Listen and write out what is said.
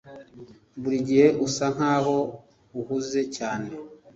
Burigihe usa nkaho uhuze cyane